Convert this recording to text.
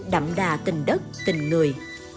đậm đà tình đất tình người